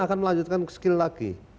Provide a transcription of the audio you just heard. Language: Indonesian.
akan melanjutkan skill lagi